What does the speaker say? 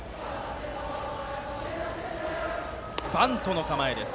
バントの構えです。